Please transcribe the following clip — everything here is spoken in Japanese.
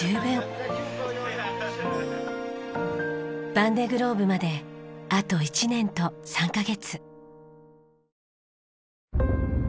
ヴァンデ・グローブまであと１年と３カ月。